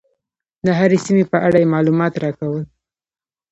د هرې سیمې په اړه یې معلومات راکول.